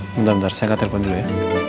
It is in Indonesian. bentar bentar saya angkat telepon dulu ya